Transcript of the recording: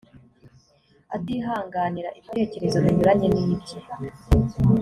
atihanganira ibitekerezo binyuranye n’ibye